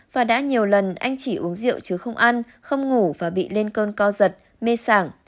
và đã nhiều lần anh chỉ uống rượu chứ không ăn không ngủ và bị lên cơn co giật mê sảng